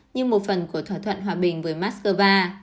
như một phần của thỏa thuận hòa bình với moscow